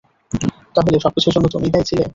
তাহল সবকিছুর জন্য তুমিই দায়ী ছিলে।